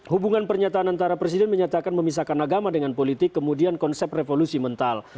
hubungan pernyataan antara presiden menyatakan memisahkan agama dengan politik kemudian konsep revolusi mental